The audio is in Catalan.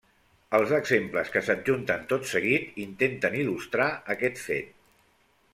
Els exemples que s'adjunten tot seguit intenten il·lustrar aquest fet.